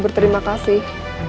aku ingin berterima kasih